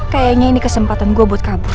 kayaknya ini kesempatan gua buat kabur